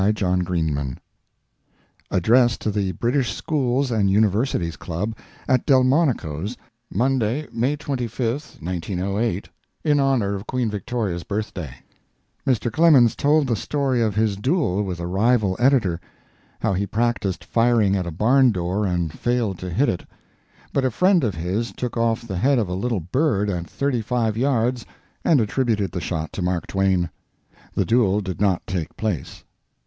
QUEEN VICTORIA ADDRESS TO THE BRITISH SCHOOLS AND UNIVERSITIES CLUB, AT DELMONICO'S, MONDAY, MAY 25, 1908, IN HONOR OF QUEEN VICTORIA'S BIRTHDAY Mr. Clemens told the story of his duel with a rival editor: how he practised firing at a barn door and failed to hit it, but a friend of his took off the head of a little bird at thirty five yards and attributed the shot to Mark twain. The duel did not take place.